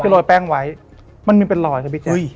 ที่โรยแป้งไว้มันมีเป็นรอยนะพี่แจ๊ก